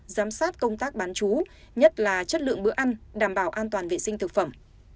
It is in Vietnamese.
giám sát công tác bán chú nhất là chất lượng bữa ăn đảm bảo an toàn vệ sinh thực phẩm